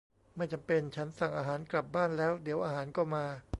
ไม่จำเป็น ฉันสั่งอาหารกลับบ้านแล้ว เดี๋ยวอาหารก็มา